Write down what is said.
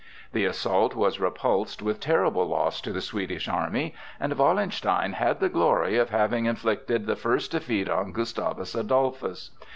The assault was repulsed with terrible loss to the Swedish army, and Wallenstein had the glory of having inflicted the first defeat on Gustavus Adolphus.